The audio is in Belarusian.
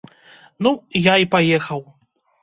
Ну, я і паехаў!